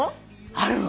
あるの。